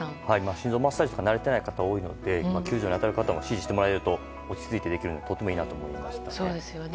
心臓マッサージとか慣れていない方多いので救助に当たる方も指示してもらえると落ち着いてできるのでとてもいいなと思いましたね。